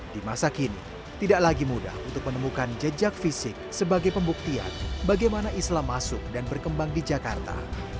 di masa kini tidak lagi mudah untuk menemukan jejak fisik sebagai pembuktian bagaimana islam masuk dan berkembang di jakarta